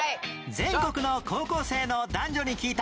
全国の高校生の男女に聞いた